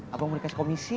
abang mau dikasih komisi